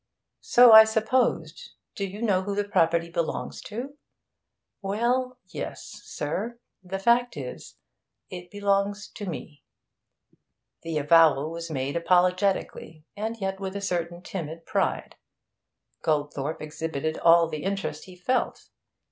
'So I supposed. Do you know who the property belongs to?' 'Well, yes, sir. The fact is it belongs to me.' The avowal was made apologetically, and yet with a certain timid pride. Goldthorpe exhibited all the interest he felt.